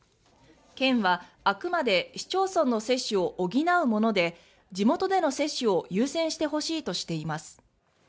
県はあくまで市町村の接種を補うもので、地元での接種を優先してほしいとしています。